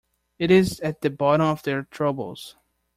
It is at the bottom of their troubles.